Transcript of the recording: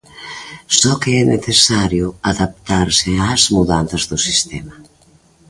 Só que é necesario adaptarse ás mudanzas do sistema.